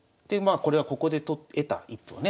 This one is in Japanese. これはここで得た１歩をね